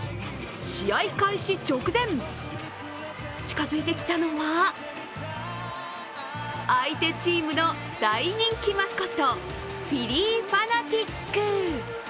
試合開始直前、近づいてきたのは相手チームの大人気マスコットフィリー・ファナティック。